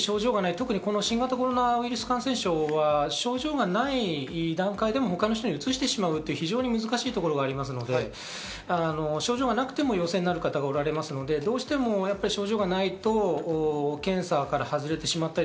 特に新型コロナウイルス感染症は症状がない段階でも、他の人にうつしてしまうという非常に難しいところがありますので、症状がなくても陽性になられる方がおられますので症状がないとどうしても検査から外れてしまったり。